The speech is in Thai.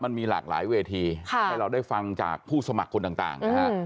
มันมีหลากหลายเวทีให้เราได้ฟังจากผู้สมัครคนต่างนะฮะ